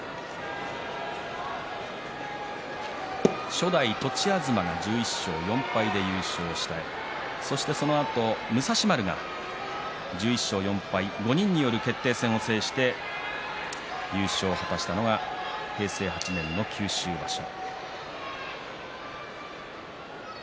初代栃東の１１勝４敗で優勝したりそしてそのあと、武蔵丸が１１勝４敗５人による決定戦を制して優勝を果たしたのが平成８年の九州場所。